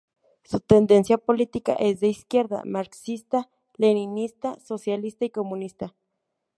Su tendencia política es de izquierda, marxista-leninista, socialista y comunista.